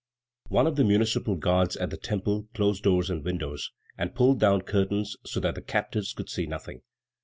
One of the Municipal Guards at the Temple closed doors and windows, and pulled down curtains so that the captives could see nothing.